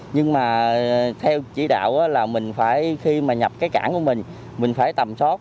nhưng mà theo chỉ đạo là mình phải khi mà nhập cái cản của mình mình phải tầm sót